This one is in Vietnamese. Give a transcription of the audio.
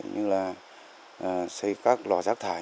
như là xây các lò rác thải